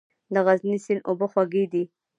د غزني سیند اوبه خوږې دي؟